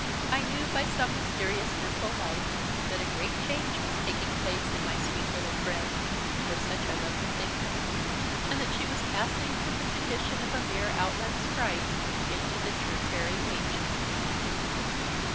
I knew, by some mysterious mental light, that a great change was taking place in my sweet little friend (for such I loved to think her) and that she was passing from the condition of a mere Outland Sprite into the true Fairy nature.